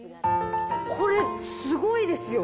これ、すごいですよ。